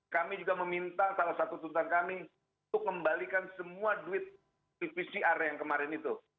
kami juga meminta salah satu tuntutan kami untuk membalikan semua duit di pcr yang kemarin itu